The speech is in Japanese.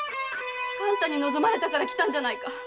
あんたに望まれたから来たんじゃないか！